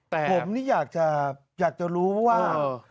ผมนี่อยากจะรู้ว่า